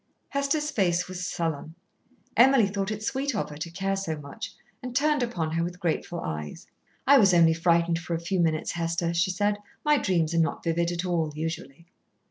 Hester's face was sullen. Emily thought it sweet of her to care so much, and turned upon her with grateful eyes. "I was only frightened for a few minutes, Hester," she said. "My dreams are not vivid at all, usually."